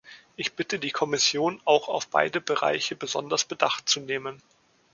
Ich bitte die Kommission, auch auf beide Bereiche besonders Bedacht zu nehmen.